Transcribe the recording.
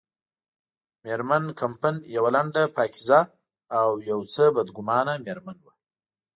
مېرمن کمپن یوه لنډه، پاکیزه او یو څه بدګمانه مېرمن وه.